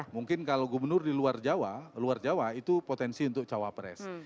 mungkin kalau gubernur di luar jawa luar jawa itu potensi untuk cawapres